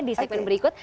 di segmen berikut